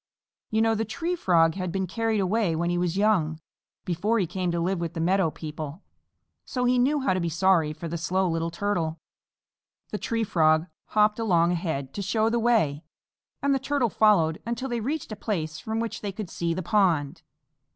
You know the Tree Frog had been carried away when he was young, before he came to live with the meadow people, so he knew how to be sorry for the Slow Little Turtle. The Tree Frog hopped along ahead to show the way, and the Turtle followed until they reached a place from which they could see the pond.